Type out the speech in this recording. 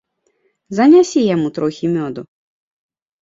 Занясі яму трохі мёду.